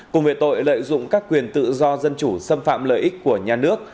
cùng về tội lợi dụng các quyền tự do dân chủ xâm phạm lợi ích của nhà nước